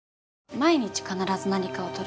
毎日必ず何かを撮る。